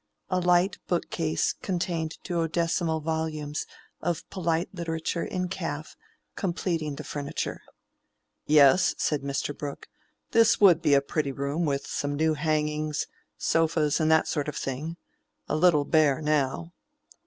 A light bookcase contained duodecimo volumes of polite literature in calf, completing the furniture. "Yes," said Mr. Brooke, "this would be a pretty room with some new hangings, sofas, and that sort of thing. A little bare now."